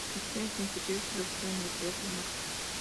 Estudia literatura y filosofía en la universidad San Marcos.